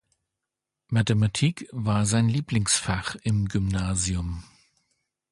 Mathematik war sein Lieblingsfach im Gymansium.